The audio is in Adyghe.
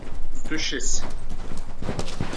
Шъущыс!